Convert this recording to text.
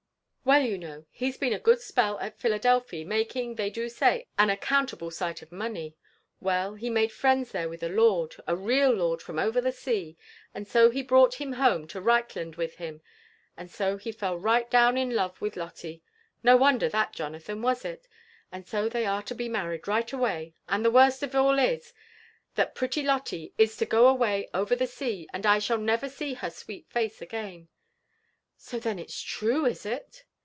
Welt, you know, he's been a good spell at Phila delphy, making, they do say, an accountable sight of money. Well, he made friends there with a iord» »a real lord from over the sea, and ao he brought him home to Reichland with him, and so he fell right down in love with Lotte, — no wonder that, Jonathan, was it ?— and so they are to be married right away ; and the worst of all is, that pretty Lotte is to go away over the sea, and I shall never see her sweet face again." So then it's true, is it?"